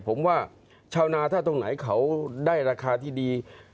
ผมว่าชาวนาถ้าตรงไหนเขาได้ราคาที่ดี